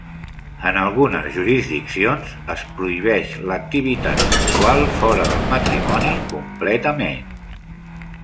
En algunes jurisdiccions es prohibeix l'activitat sexual fora del matrimoni completament.